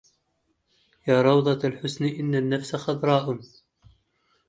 يا روضة الحسن إن النفس خضراء